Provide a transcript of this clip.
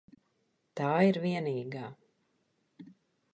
Tā ir vienīgā.